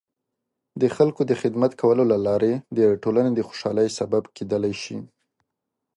د خلکو د خدمت کولو له لارې د ټولنې د خوشحالۍ سبب کیدلای شي.